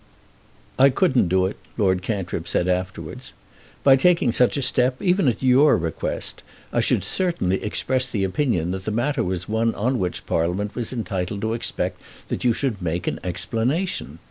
"I couldn't do it," Lord Cantrip said afterwards. "By taking such a step, even at your request, I should certainly express the opinion that the matter was one on which Parliament was entitled to expect that you should make an explanation.